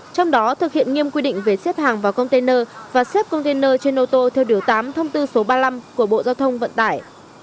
trong đó thực hiện nghiêm quy định về xếp hàng vào container và xếp container trên ô tô theo điều tám thông tư số ba mươi năm của bộ giao thông vận tải